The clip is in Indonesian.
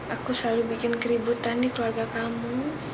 aku selalu bikin keributan di keluarga kamu